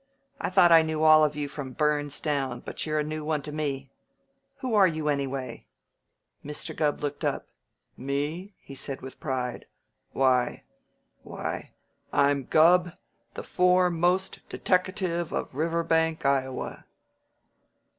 I thought I knew all of you from Burns down, but you're a new one to me. Who are you, anyway?" Mr. Gubb looked up. "Me?" he said with pride. "Why why I'm Gubb, the foremost deteckative of Riverbank, Iowa."